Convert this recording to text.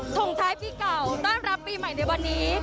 ส่งท้ายปีเก่าต้อนรับปีใหม่ในวันนี้